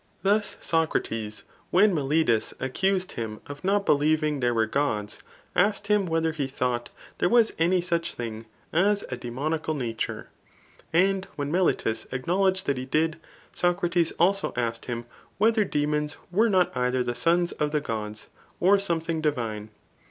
Thus Socrates when MeUtus accused bini of not believing there were Qods, asked him whether he thought there was any such thing as a demoniacal na ture ; and when Melitus acknowledged that he did, Socrates also asked him, whether daemons were not ei* tber the sons of the Gods, or something divine.